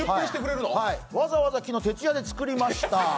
わざわざ昨日、徹夜で作りました。